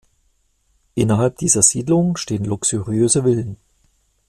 Innerhalb dieser Siedlung stehen luxuriöse Villen.